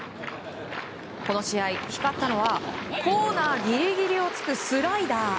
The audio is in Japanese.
この試合、光ったのはコーナーギリギリをつくスライダー。